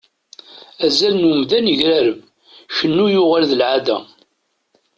Azal n umdan yegrareb, Kennu yuɣal d lεada.